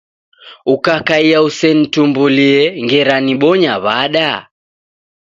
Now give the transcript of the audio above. Ukakaia usenitumbulie ngera nibonya w'ada?